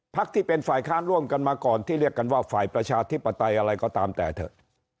ที่เป็นฝ่ายค้านร่วมกันมาก่อนที่เรียกกันว่าฝ่ายประชาธิปไตยอะไรก็ตามแต่เถอะ